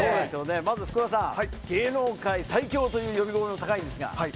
まず福場さん芸能界最強という呼び声も高いですが。